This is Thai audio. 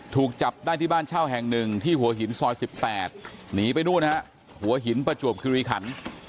ถูกจับได้ที่บ้านเช่าแห่งหนึ่งที่หัวหินซอย๑๘หนีไปนู่นนะฮะหัวหินประจวบคิริขัน